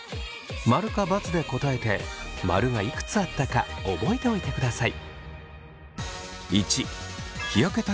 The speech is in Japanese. ○か×で答えて○がいくつあったか覚えておいてください。